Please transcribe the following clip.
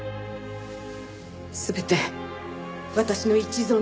全て私の一存です。